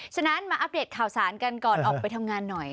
ฉะนั้นมาอัปเดตข่าวสารกันก่อนออกไปทำงานหน่อย